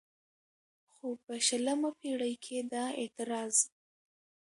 خو په شلمه پېړۍ کې دا اعتراض